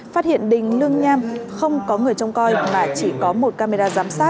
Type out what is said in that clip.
phát hiện đình lương nham không có người trông coi mà chỉ có một camera giám sát